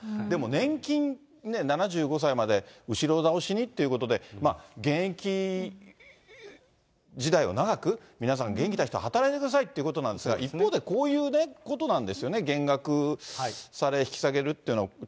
でも年金、７５歳まで後ろ倒しにっていうことで、現役時代を長く、皆さん、元気な人、働いてくださいってことなんですが、一方で、こういうことなんですよね、減額され、引き下げられるというのは。